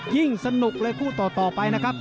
สนุกเลยคู่ต่อไปนะครับ